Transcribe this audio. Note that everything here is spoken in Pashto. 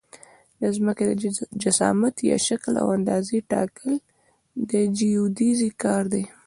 د ځمکې د جسامت یا شکل او اندازې ټاکل د جیودیزي کار دی